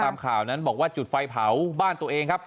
ตามข่าวนั้นบอกว่าจุดไฟเผาบ้านตัวเองครับ